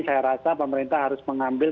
saya rasa pemerintah harus mengambil